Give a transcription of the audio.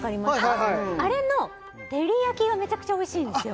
はいはいはいあれの照り焼きがめちゃくちゃおいしいんですよ